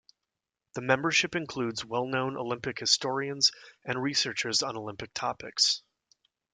The membership includes well-known Olympic historians and researchers on Olympic topics.